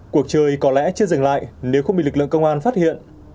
cuộc chơi có lẽ chưa dừng lại nếu không bị lực lượng công an phát hiện